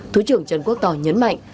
thứ trưởng trần quốc tỏ nhấn mạnh